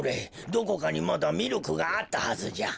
どこかにまだミルクがあったはずじゃ。